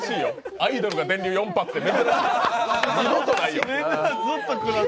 アイドルが電流４発って珍しいよ。